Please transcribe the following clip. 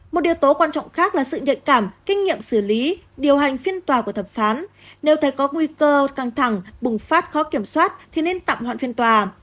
một điều tố quan trọng khác là sự nhạy cảm kinh nghiệm xử lý điều hành phiên tòa của thẩm phán nếu thấy có nguy cơ căng thẳng bùng phát khó kiểm soát thì nên tạm hoãn phiên tòa